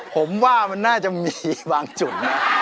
ผมว่ามันน่าจะมีบางจุดนะ